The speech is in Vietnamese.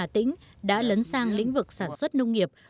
tỉnh đã lấn sang lĩnh vực sản xuất nông nghiệp